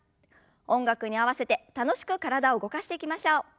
音楽に合わせて楽しく体を動かしていきましょう。